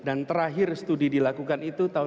dan terakhir studi dilakukan itu tahun dua ribu tujuh